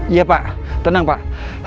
iya pak tenang pak